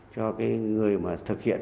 cho cái người mà thực hiện